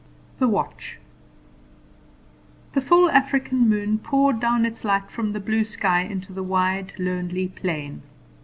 The Watch. The full African moon poured down its light from the blue sky into the wide, lonely plain.